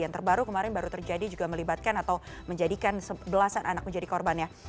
yang terbaru kemarin baru terjadi juga melibatkan atau menjadikan sebelasan anak menjadi korbannya